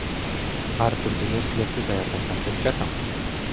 Ар түрдүү нерселерди даярдасам деп жатам.